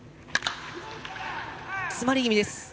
詰まり気味です。